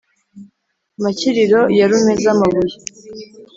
makiriro ya rumeza mabuye